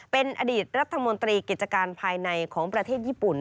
เป็นอดีตรัฐมนตรีกิจการภายในของประเทศญี่ปุ่น